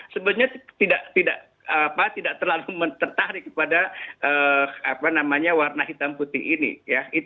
sebetulnya tidak terlalu menertarik kepada apa namanya warna hitam putih ini ya